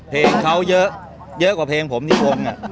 เพลงเขาเยอะกว่าเพลงผมที่กรม